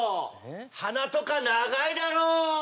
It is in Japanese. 鼻とか長いだろう！